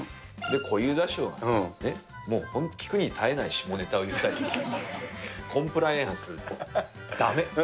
小遊三師匠は、もう聞くにたえない下ネタを言ったり、コンプライアンス、だめ。